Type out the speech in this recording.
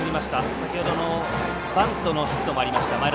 先ほどのバントのヒットもありました。